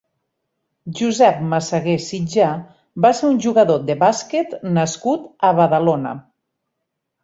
Josep Massaguer Sitjà va ser un jugador de bàsquet nascut a Badalona.